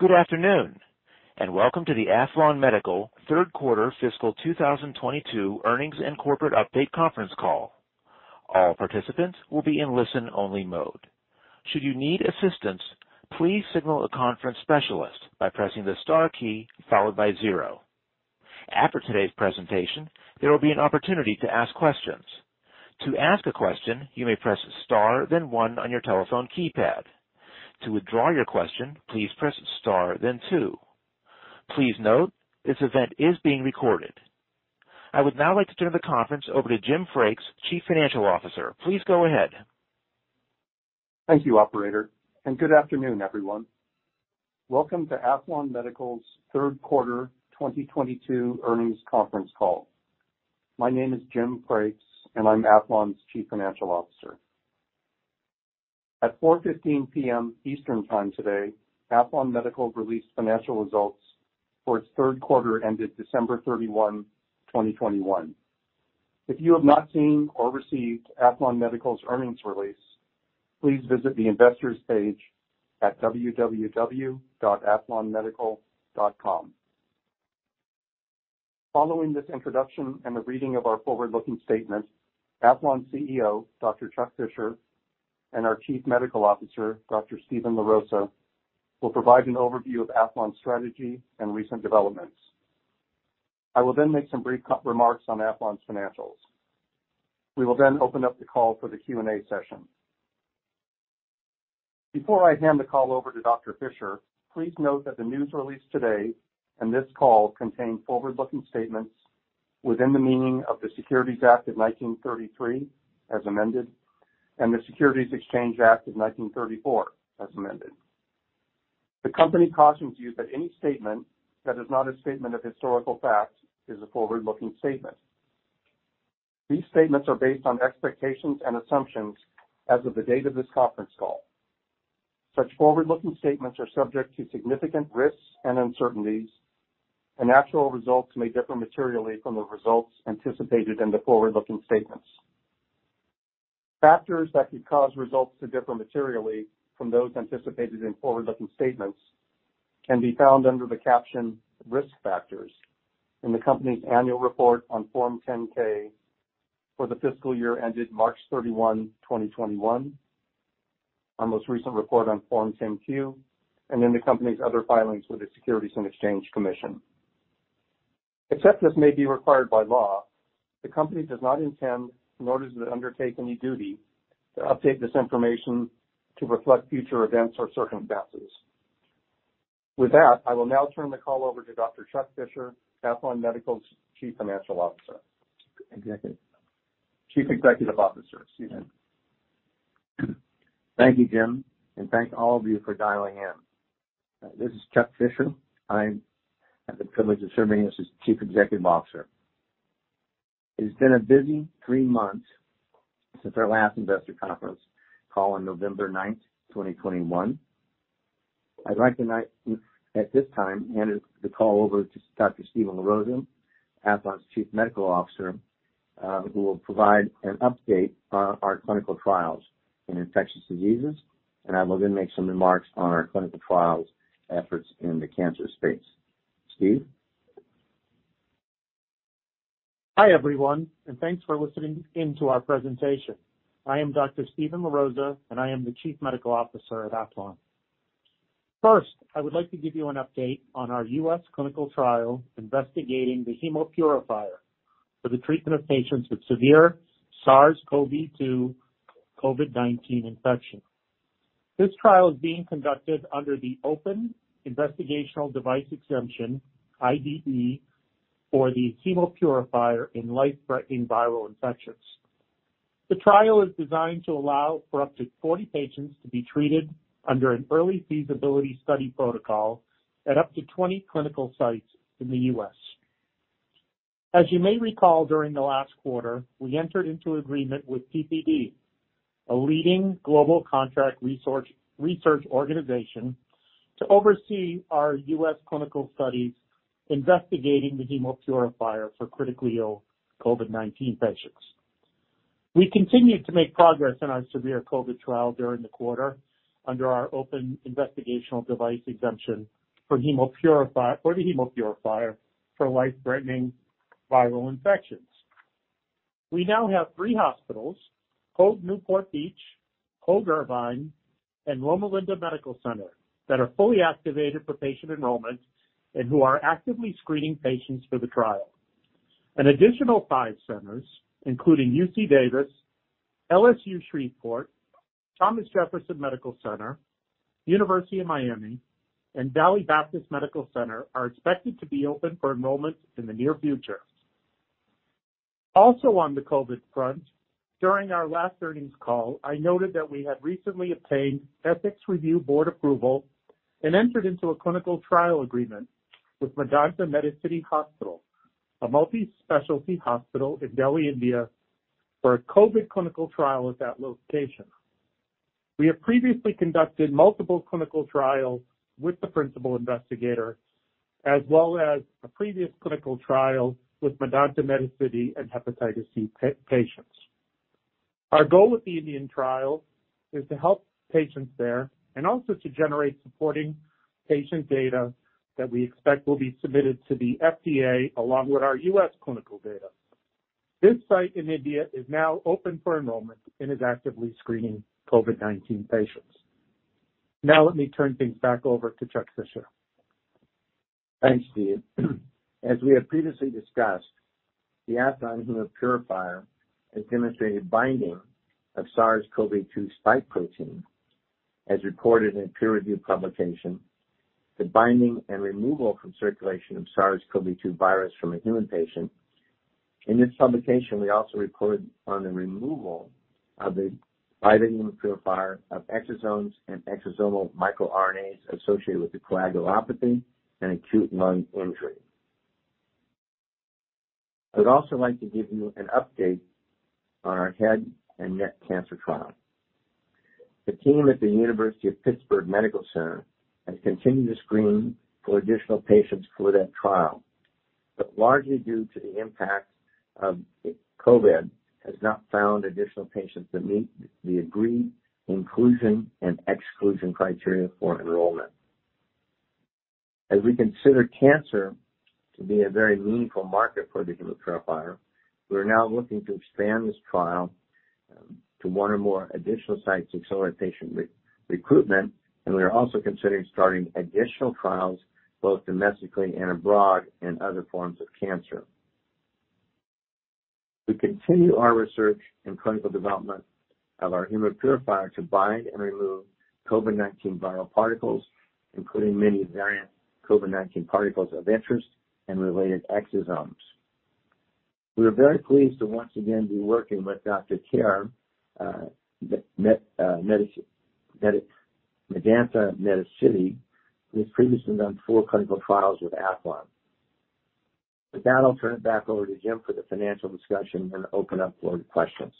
Good afternoon, and welcome to the Aethlon Medical third quarter fiscal 2022 earnings and corporate update conference call. All participants will be in listen-only mode. Should you need assistance, please signal a conference specialist by pressing the star key followed by zero. After today's presentation, there will be an opportunity to ask questions. To ask a question, you may press star then one on your telephone keypad. To withdraw your question, please press star then two. Please note, this event is being recorded. I would now like to turn the conference over to Jim Frakes, Chief Financial Officer. Please go ahead. Thank you, operator, and good afternoon, everyone. Welcome to Aethlon Medical's third quarter 2022 earnings conference call. My name is Jim Frakes, and I'm Aethlon's Chief Financial Officer. At 4:00 P.M. Eastern Time today, Aethlon Medical released financial results for its third quarter ended December 31, 2021. If you have not seen or received Aethlon Medical's earnings release, please visit the investors page at www.aethlonmedical.com. Following this introduction and the reading of our forward-looking statements, Aethlon CEO, Dr. Chuck Fisher, and our Chief Medical Officer, Dr. Steven LaRosa, will provide an overview of Aethlon's strategy and recent developments. I will then make some brief comments on Aethlon's financials. We will then open up the call for the Q&A session. Before I hand the call over to Dr. Fisher, please note that the news release today and this call contain forward-looking statements within the meaning of the Securities Act of 1933 as amended, and the Securities Exchange Act of 1934 as amended. The company cautions you that any statement that is not a statement of historical fact is a forward-looking statement. These statements are based on expectations and assumptions as of the date of this conference call. Such forward-looking statements are subject to significant risks and uncertainties, and actual results may differ materially from the results anticipated in the forward-looking statements. Factors that could cause results to differ materially from those anticipated in forward-looking statements can be found under the caption Risk Factors in the company's annual report on Form 10-K for the fiscal year ended March 31, 2021, our most recent report on Form 10-Q, and in the company's other filings with the Securities and Exchange Commission. Except as may be required by law, the company does not intend nor does it undertake any duty to update this information to reflect future events or circumstances. With that, I will now turn the call over to Dr. Chuck Fisher, Aethlon Medical's Chief Financial Officer. Executive. Chief Executive Officer. Excuse me. Thank you, Jim, and thank all of you for dialing in. This is Chuck Fisher. I have the privilege of serving as its Chief Executive Officer. It has been a busy three months since our last investor conference call on November 9th, 2021. I'd like at this time hand the call over to Dr. Steven LaRosa, Aethlon's Chief Medical Officer, who will provide an update on our clinical trials in infectious diseases. I will then make some remarks on our clinical trials efforts in the cancer space. Steve? Hi, everyone, and thanks for listening in to our presentation. I am Dr. Steven LaRosa, and I am the Chief Medical Officer at Aethlon. First, I would like to give you an update on our U.S. clinical trial investigating the Hemopurifier for the treatment of patients with severe SARS-CoV-2 COVID-19 infection. This trial is being conducted under the open investigational device exemption, IDE, for the Hemopurifier in life-threatening viral infections. The trial is designed to allow for up to 40 patients to be treated under an Early Feasibility Study protocol at up to 20 clinical sites in the U.S. As you may recall, during the last quarter, we entered into agreement with PPD, a leading global contract research organization, to oversee our U.S. clinical studies investigating the Hemopurifier for critically ill COVID-19 patients. We continued to make progress in our severe COVID trial during the quarter under our open Investigational Device Exemption for the Hemopurifier for life-threatening viral infections. We now have three hospitals, Hoag Newport Beach, Hoag Irvine, and Loma Linda Medical Center, that are fully activated for patient enrollment and who are actively screening patients for the trial. An additional five centers, including UC Davis, LSU Shreveport, Thomas Jefferson Medical Center, University of Miami, and Valley Baptist Medical Center, are expected to be open for enrollment in the near future. Also, on the COVID front, during our last earnings call, I noted that we had recently obtained Ethics Review Board approval and entered into a clinical trial agreement with Medanta - The Medicity, a multi-specialty hospital in Delhi, India, for a COVID clinical trial at that location. We have previously conducted multiple clinical trials with the principal investigator as well as a previous clinical trial with Medanta - The Medicity in hepatitis C patients. Our goal with the Indian trial is to help patients there and also to generate supporting patient data that we expect will be submitted to the FDA along with our U.S. clinical data. This site in India is now open for enrollment and is actively screening COVID-19 patients. Now let me turn things back over to Chuck Fisher. Thanks, Steve. As we have previously discussed, the Aethlon Hemopurifier has demonstrated binding of SARS-CoV-2 spike protein, as reported in a peer-reviewed publication, the binding and removal from circulation of SARS-CoV-2 virus from a human patient. In this publication, we also reported on the removal by the Hemopurifier of exosomes and exosomal microRNAs associated with the coagulopathy and acute lung injury. I would also like to give you an update on our head and neck cancer trial. The team at the University of Pittsburgh Medical Center has continued to screen for additional patients for that trial, but largely due to the impact of COVID, has not found additional patients that meet the agreed inclusion and exclusion criteria for enrollment. As we consider cancer to be a very meaningful market for the Hemopurifier, we are now looking to expand this trial to one or more additional sites to accelerate patient recruitment, and we are also considering starting additional trials both domestically and abroad in other forms of cancer. We continue our research in clinical development of our Hemopurifier to bind and remove COVID-19 viral particles, including many variant COVID-19 particles of interest and related exosomes. We are very pleased to once again be working with Dr. Kher, Medanta - The Medicity. We've previously done four clinical trials with Aethlon. With that, I'll turn it back over to Jim for the financial discussion, then open up for questions.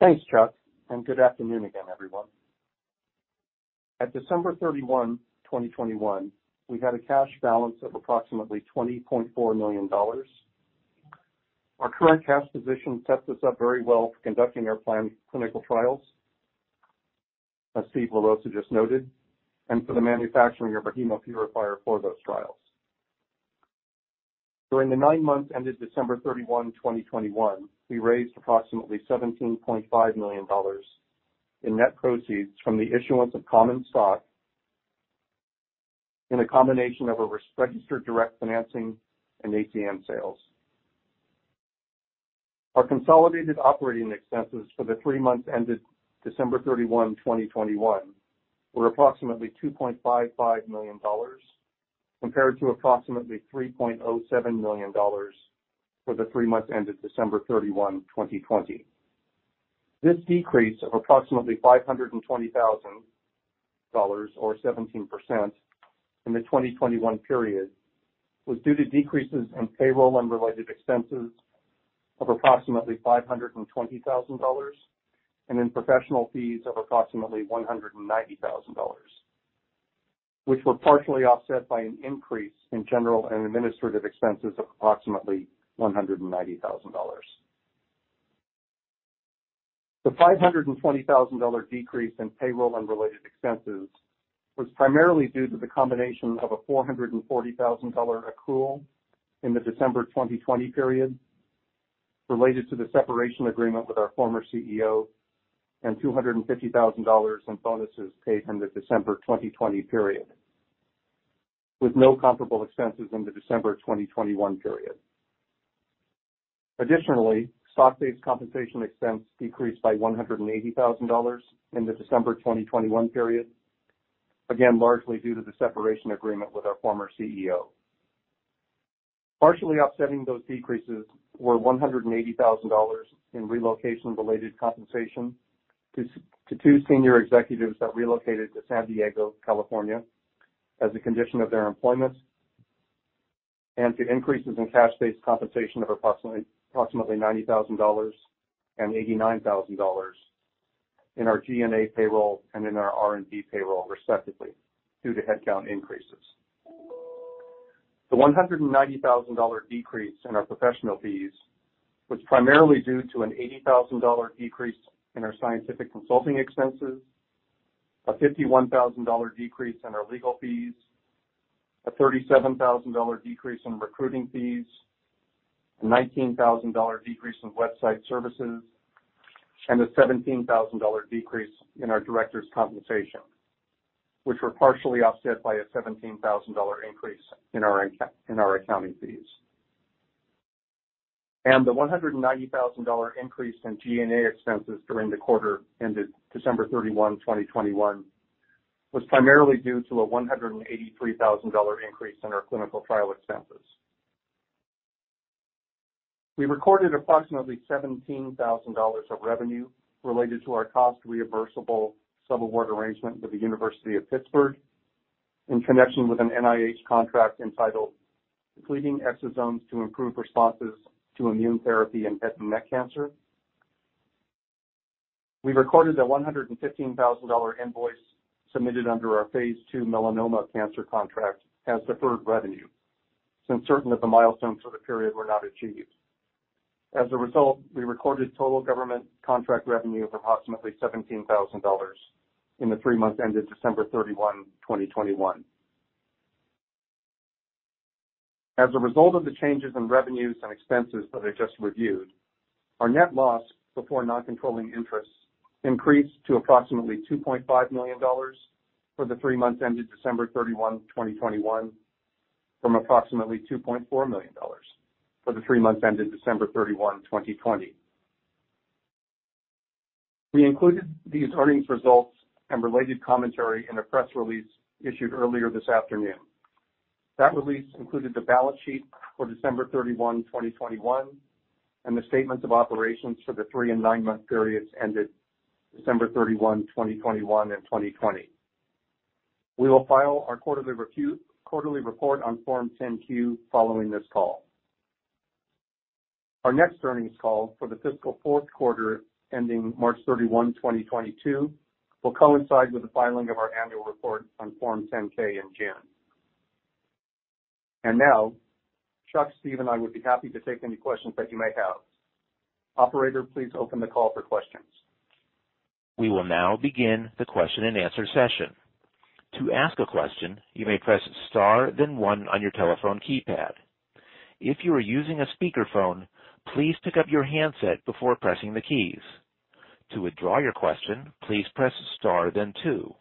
Thanks, Chuck, and good afternoon again, everyone. At December 31, 2021, we had a cash balance of approximately $20.4 million. Our current cash position sets us up very well for conducting our planned clinical trials, as Steven LaRosa just noted, and for the manufacturing of our Hemopurifier for those trials. During the nine months ended December 31, 2021, we raised approximately $17.5 million in net proceeds from the issuance of common stock in a combination of a registered direct financing and ATM sales. Our consolidated operating expenses for the three months ended December 31, 2021, were approximately $2.55 million, compared to approximately $3.07 million for the three months ended December 31, 2020. This decrease of approximately $520,000 or 17% in the 2021 period was due to decreases in payroll and related expenses of approximately $520,000 and in professional fees of approximately $190,000, which were partially offset by an increase in general and administrative expenses of approximately $190,000. The $520,000 decrease in payroll and related expenses was primarily due to the combination of a $440,000 accrual in the December 2020 period related to the separation agreement with our former CEO and $250,000 in bonuses paid in the December 2020 period, with no comparable expenses in the December 2021 period. Additionally, stock-based compensation expense decreased by $180,000 in the December 2021 period, again, largely due to the separation agreement with our former CEO. Partially offsetting those decreases were $180,000 in relocation-related compensation to two senior executives that relocated to San Diego, California, as a condition of their employment, and to increases in cash-based compensation of approximately $90,000 and $89,000 in our G&A payroll and in our R&D payroll, respectively, due to headcount increases. The $190,000 decrease in our professional fees was primarily due to an $80,000 decrease in our scientific consulting expenses, a $51,000 decrease in our legal fees, a $37,000 decrease in recruiting fees, a $19,000 decrease in website services, and a $17,000 decrease in our director's compensation, which were partially offset by a $17,000 increase in our accounting fees. The $190,000 increase in G&A expenses during the quarter ended December 31, 2021, was primarily due to a $183,000 increase in our clinical trial expenses. We recorded approximately $17,000 of revenue related to our cost reimbursable sub-award arrangement with the University of Pittsburgh in connection with an NIH contract entitled Depleting Exosomes to Improve Responses to Immune Therapy in Head and Neck Cancer. We recorded a $115,000 invoice submitted under our phase II melanoma cancer contract as deferred revenue since certain of the milestones for the period were not achieved. As a result, we recorded total government contract revenue of approximately $17,000 in the three months ended December 31, 2021. As a result of the changes in revenues and expenses that I just reviewed, our net loss before non-controlling interests increased to approximately $2.5 million for the three months ended December 31, 2021 from approximately $2.4 million for the three months ended December 31, 2020. We included these earnings results and related commentary in a press release issued earlier this afternoon. That release included the balance sheet for December 31, 2021, and the statements of operations for the three and nine-month periods ended December 31, 2021 and 2020. We will file our quarterly report on Form 10-Q following this call. Our next earnings call for the fiscal fourth quarter ending March 31, 2022 will coincide with the filing of our annual report on Form 10-K in June. Now Chuck, Steve and I would be happy to take any questions that you may have. Operator, please open the call for questions. We will now begin the question-and-answer session. To ask a question, you may press star then one on your telephone keypad. If you are using a speakerphone, please pick up your handset before pressing the keys. To withdraw your question, please press star then two.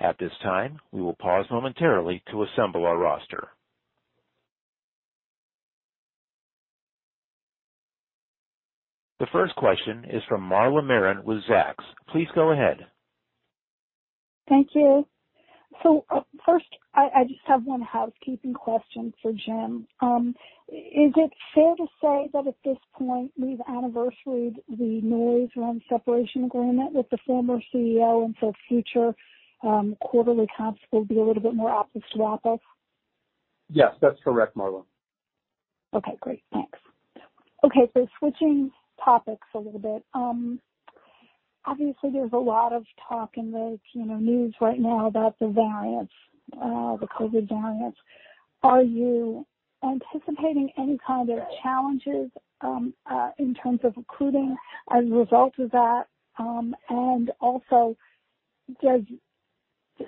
At this time, we will pause momentarily to assemble our roster. The first question is from Marla Marin with Zacks. Please go ahead. Thank you. First, I just have one housekeeping question for Jim. Is it fair to say that at this point we've anniversaried the noise around separation agreement with the former CEO and so future quarterly comps will be a little bit more apples to apples? Yes, that's correct, Marla. Okay, great. Thanks. Okay. Switching topics a little bit, obviously there's a lot of talk in the, you know, news right now about the variants, the COVID variants. Are you anticipating any kind of challenges in terms of recruiting as a result of that? Also,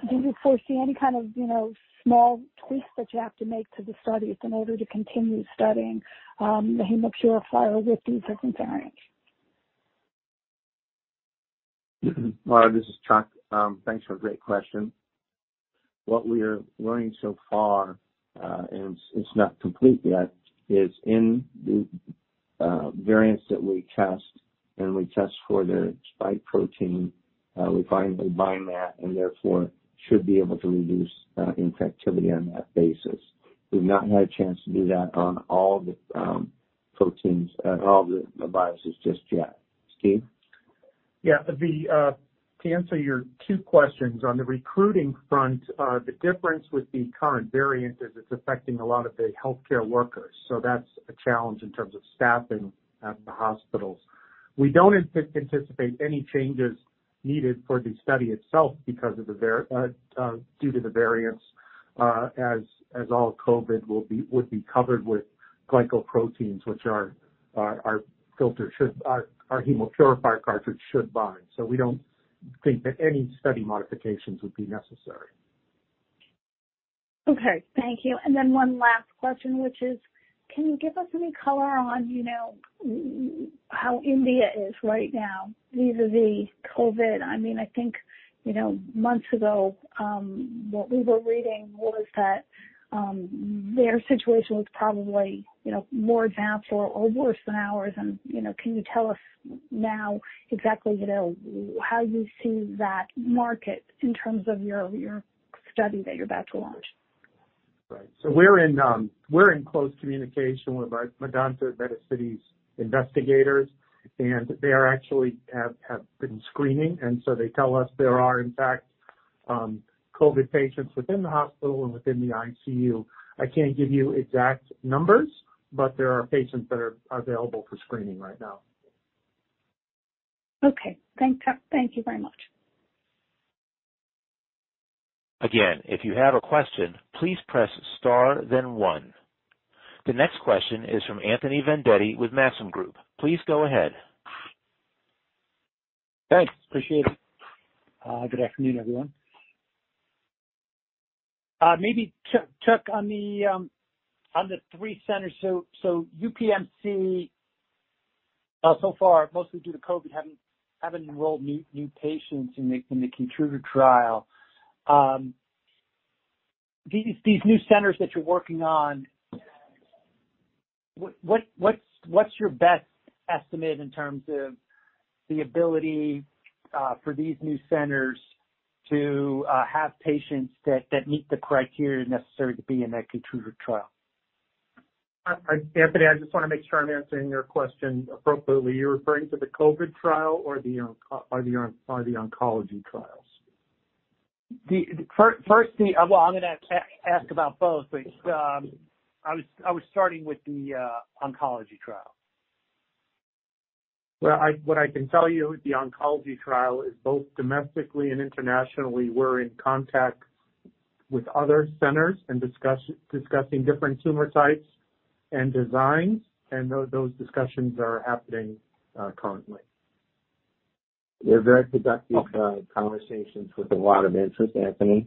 do you foresee any kind of, you know, small tweaks that you have to make to the studies in order to continue studying the Hemopurifier with these different variants? Marla, this is Chuck. Thanks for a great question. What we are learning so far, and it's not complete yet, is in the variants that we test for their spike protein, we find they bind that and therefore should be able to reduce infectivity on that basis. We've not had a chance to do that on all the proteins, all the viruses just yet. Steve? Yeah. To answer your two questions, on the recruiting front, the difference with the current variant is it's affecting a lot of the healthcare workers. That's a challenge in terms of staffing at the hospitals. We don't anticipate any changes needed for the study itself because of the variants, as all COVID would be covered with glycoproteins, which our Hemopurifier cartridge should bind. We don't think that any study modifications would be necessary. Okay, thank you. One last question, which is, can you give us any color on, you know, how India is right now vis-a-vis COVID? I mean, I think, you know, months ago, what we were reading was that, their situation was probably, you know, more advanced or worse than ours. You know, can you tell us now exactly, you know, how you see that market in terms of your study that you're about to launch? Right. We're in close communication with our Medanta - The Medicity's investigators, and they actually have been screening. They tell us there are in fact COVID patients within the hospital and within the ICU. I can't give you exact numbers, but there are patients that are available for screening right now. Okay. Thank you very much. Again, if you have a question, please press star then one. The next question is from Anthony Vendetti with Maxim Group. Please go ahead. Thanks, appreciate it. Good afternoon, everyone. Maybe Chuck, on the three centers. UPMC so far mostly due to COVID haven't enrolled new patients in the KEYTRUDA trial. These new centers that you're working on, what's your best estimate in terms of the ability for these new centers to have patients that meet the criteria necessary to be in that KEYTRUDA trial? Anthony, I just wanna make sure I'm answering your question appropriately. You're referring to the COVID trial or the oncology trials? Well, I'm gonna ask about both, but I was starting with the oncology trial. Well, what I can tell you, the oncology trial is both domestically and internationally. We're in contact with other centers and discussing different tumor sites and designs, and those discussions are happening currently. They're very productive conversations with a lot of interest, Anthony.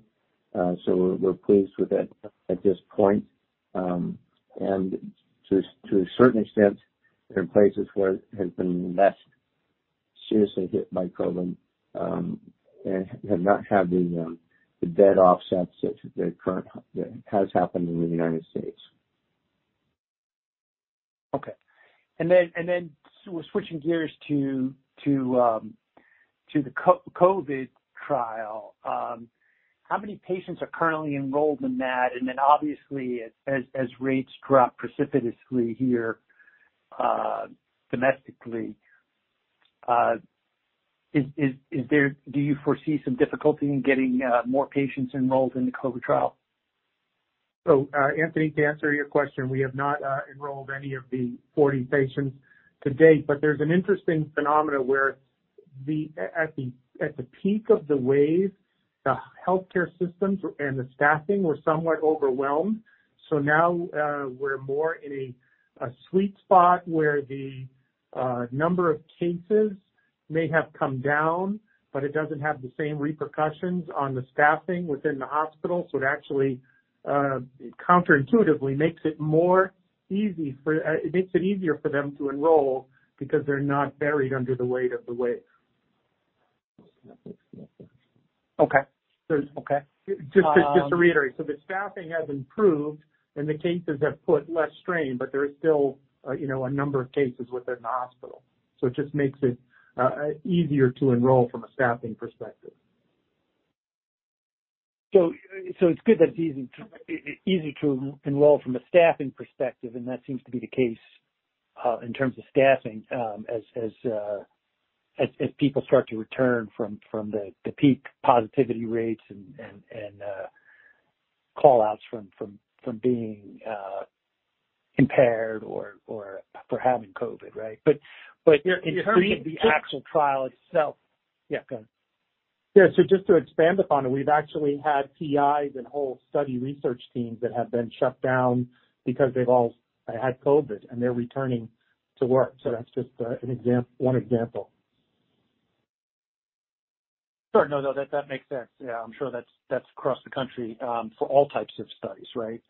We're pleased with it at this point. To a certain extent, there are places where it has been less seriously hit by COVID and have not had the death offset, such as that has happened in the United States. Okay. Switching gears to the COVID trial, how many patients are currently enrolled in that? Obviously, as rates drop precipitously here, domestically, do you foresee some difficulty in getting more patients enrolled in the COVID trial? Anthony, to answer your question, we have not enrolled any of the 40 patients to date. But there's an interesting phenomenon where at the peak of the wave, the healthcare systems and the staffing were somewhat overwhelmed. Now, we're more in a sweet spot where the number of cases may have come down, but it doesn't have the same repercussions on the staffing within the hospital. It actually counterintuitively makes it easier for them to enroll because they're not buried under the weight of the wave. Okay. Just to reiterate, the staffing has improved and the cases have put less strain, but there's still, you know, a number of cases within the hospital. It just makes it easier to enroll from a staffing perspective. It's good that it's easy to enroll from a staffing perspective, and that seems to be the case in terms of staffing, as people start to return from the peak positivity rates and call outs from being impaired or for having COVID, right? In terms of the- The actual trial itself. Yeah, go ahead. Just to expand upon it, we've actually had PIs and whole study research teams that have been shut down because they've all had COVID and they're returning to work. That's just one example. Sure. No, that makes sense. Yeah, I'm sure that's across the country for all types of studies, right?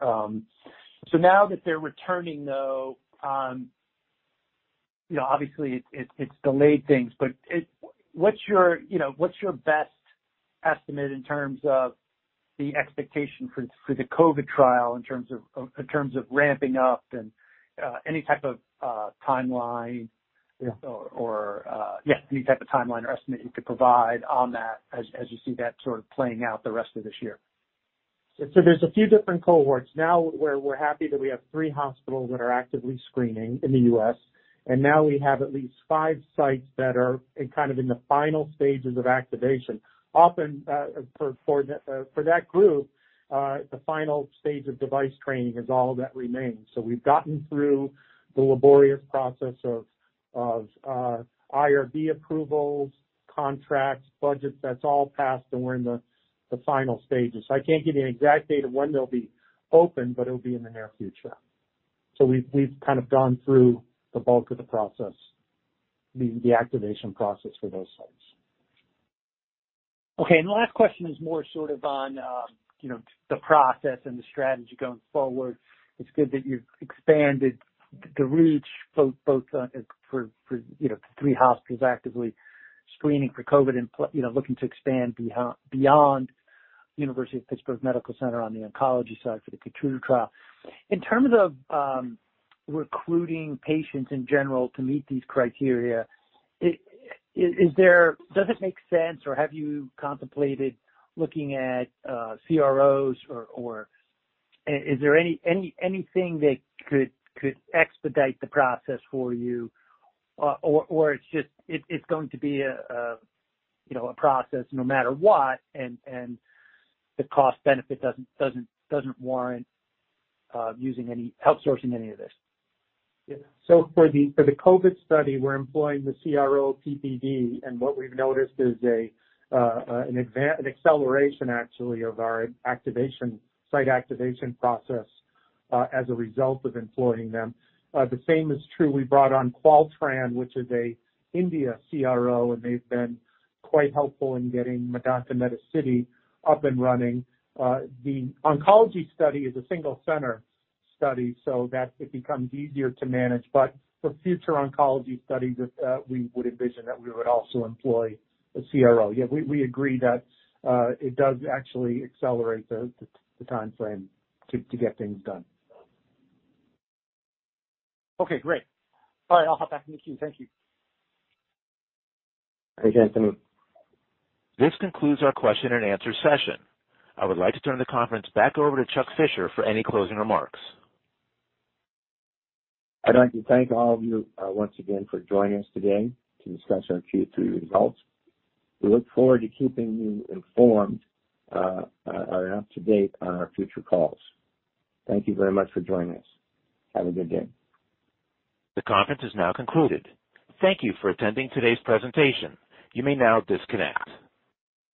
Now that they're returning, though, you know, obviously it's delayed things, but you know, what's your best estimate in terms of the expectation for the COVID trial in terms of ramping up and any type of timeline or estimate you could provide on that as you see that sort of playing out the rest of this year? There's a few different cohorts now where we're happy that we have three hospitals that are actively screening in the U.S., and now we have at least five sites that are kind of in the final stages of activation. Often, for that group, the final stage of device training is all that remains. We've gotten through the laborious process of IRB approvals, contracts, budgets, that's all passed, and we're in the final stages. I can't give you an exact date of when they'll be open, but it'll be in the near future. We've kind of gone through the bulk of the process, the activation process for those sites. Okay. The last question is more sort of on, you know, the process and the strategy going forward. It's good that you've expanded the reach both for, you know, three hospitals actively screening for COVID and you know, looking to expand beyond University of Pittsburgh Medical Center on the oncology side for the KEYTRUDA trial. In terms of, recruiting patients in general to meet these criteria, does it make sense or have you contemplated looking at CROs or is there any anything that could expedite the process for you? Or it's just it's going to be a, you know, a process no matter what and the cost benefit doesn't warrant using any outsourcing any of this. For the COVID study, we're employing the CRO PPD, and what we've noticed is an acceleration actually of our site activation process as a result of employing them. The same is true. We brought on Qualtran, which is an India CRO, and they've been quite helpful in getting Medanta - The Medicity up and running. The oncology study is a single center study, so that it becomes easier to manage. For future oncology studies, we would envision that we would also employ a CRO. We agree that it does actually accelerate the timeframe to get things done. Okay, great. All right, I'll hop back in the queue. Thank you. Thanks, Anthony. This concludes our question and answer session. I would like to turn the conference back over to Chuck Fisher for any closing remarks. I'd like to thank all of you once again for joining us today to discuss our Q3 results. We look forward to keeping you informed and up to date on our future calls. Thank you very much for joining us. Have a good day. The conference is now concluded. Thank you for attending today's presentation. You may now disconnect.